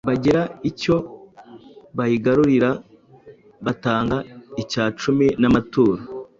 bagira icyo bayigarurira batanga icyacumi n’amaturo: